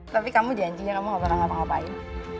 tapi kamu janji ya kamu gak pernah ngapa ngapain